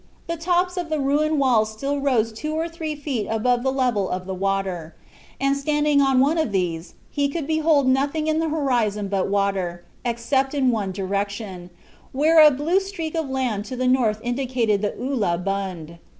The tops of the ruined walls still rose two or three feet above the level of the water; and, standing on one of these, he could behold nothing in the horizon but water, except in one direction, where a blue streak of land to the north indicated the Ullah Bund.